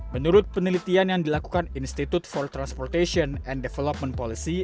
menurut penelitian yang dilakukan institute for transportation and development policy